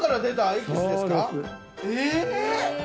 え⁉